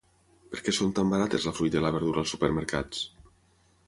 Per què són tan barates la fruita i la verdura als supermercats?